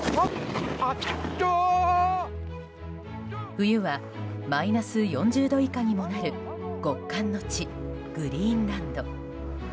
冬はマイナス４０度以下にもなる極寒の地、グリーンランド。